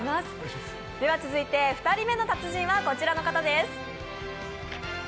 続いて２人目の達人はこちらの方です。